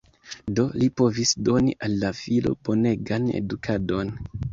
Do, li povis doni al la filo bonegan edukadon.